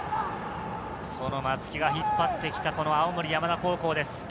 松木が引っ張ってきた青森山田高校です。